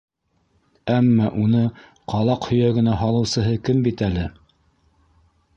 Әммә уны ҡалаҡ һөйәгенә һалыусыһы кем бит әле?